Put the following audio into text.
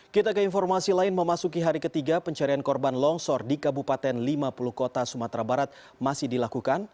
kita ke informasi lain memasuki hari ketiga pencarian korban longsor di kabupaten lima puluh kota sumatera barat masih dilakukan